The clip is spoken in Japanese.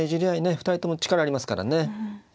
二人とも力ありますからねええ。